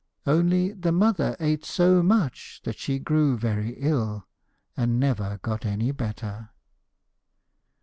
Only the mother ate so much that she grew very ill, and never got any better.